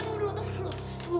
mas hendra tunggu dulu